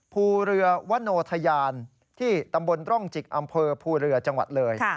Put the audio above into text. ภูเรือวโนธยานที่ตำบลร่องจิกอำเภอภูเรือจังหวัดเลย